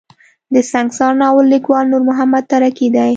د سنګسار ناول ليکوال نور محمد تره کی دی.